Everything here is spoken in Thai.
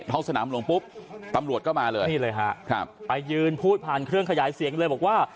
ท้องสนามหลวงปุ๊บตำรวจก็มาเลยนี่เลยฮะครับไปยืนพูดผ่านเครื่องขยายเสียงเลยบอกว่า